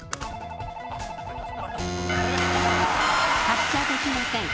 発車できません。